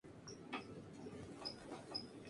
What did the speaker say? Solamente se enseñaban grados primarios.